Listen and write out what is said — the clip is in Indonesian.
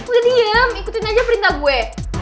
gue diam ikutin aja perintah gue